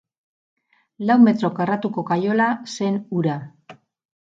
Lau metro karratuko kaiola zen hura.